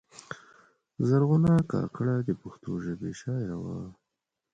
زرغونه کاکړه د پښتو ژبې شاعره وه.